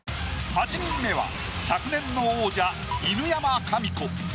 ８人目は昨年の王者犬山紙子。